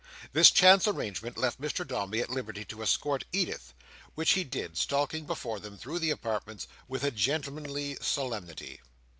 This chance arrangement left Mr Dombey at liberty to escort Edith: which he did: stalking before them through the apartments with a gentlemanly solemnity.